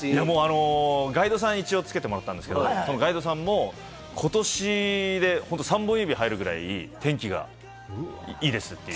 ガイドさんを一応つけてもらったんですけれども、ガイドさんも、今年で３本指に入るぐらい、天気がいいですって。